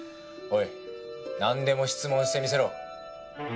おいなんでも質問してみせろ。